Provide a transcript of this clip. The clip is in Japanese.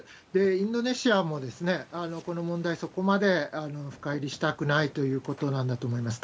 インドネシアも、この問題、そこまで深入りしたくないということなんだと思います。